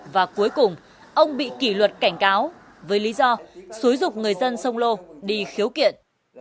và cuối cùng ông bị kỷ luật cảnh cáo với lý do xúi dục người dân sông lô đi khiếu kiện